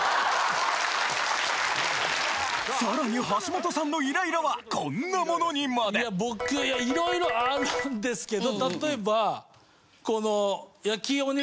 さらに橋本さんのイライラはこんなものにまでいや僕色々あるんですけど例えばこの。